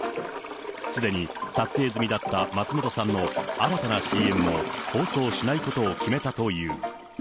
すでに撮影済みだった松本さんの新たなＣＭも放送しないことを決めたという。